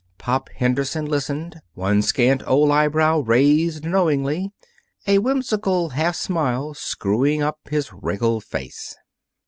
Pop Henderson listened, one scant old eyebrow raised knowingly, a whimsical half smile screwing up his wrinkled face.